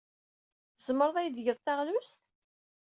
Tzemreḍ ad iyi-d-tgeḍ taɣlust?